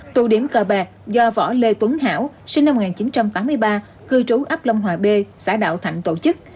tụ điểm cờ bạc do võ lê tuấn hảo sinh năm một nghìn chín trăm tám mươi ba cư trú ấp long hòa b xã đạo thạnh tổ chức